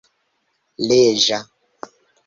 leĝa